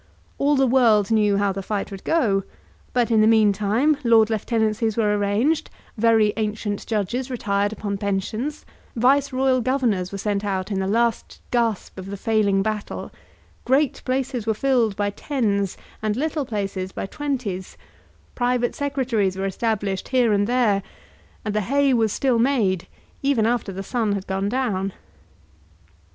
All the world knew how the fight would go; but in the meantime lord lieutenancies were arranged; very ancient judges retired upon pensions; vice royal Governors were sent out in the last gasp of the failing battle; great places were filled by tens, and little places by twenties; private secretaries were established here and there; and the hay was still made even after the sun had gone down.